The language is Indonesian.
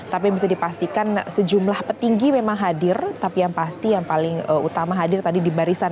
tapi bisa dipastikan sejumlah petinggi memang hadir tapi yang pasti yang paling utama hadir tadi di barisan